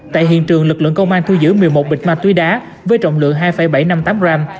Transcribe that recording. tại hiện trường lực lượng công an thu giữ một mươi một bịch ma túy đá với trọng lượng hai bảy trăm năm mươi tám gram